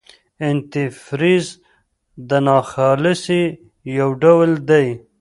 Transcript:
انتي فریز د ناخالصۍ یو ډول دی.